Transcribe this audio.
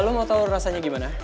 lo mau tau rasanya gimana